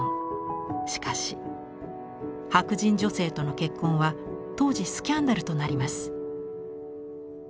しかし白人女性との結婚は当時スキャンダルとなります。